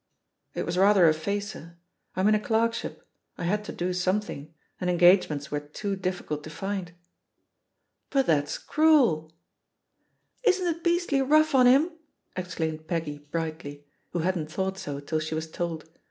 "It was rather a facer. I'm in a clerkship — I had to do something, and engagements were too difficult to find." "But that's cruel 1" "Isn't it beastly rough on him?" exclaimed Peggy brightly, who hadn't thought so till she was told.